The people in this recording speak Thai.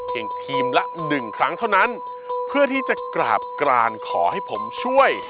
ทีมละหนึ่งครั้งเท่านั้นเพื่อที่จะกราบกรานขอให้ผมช่วย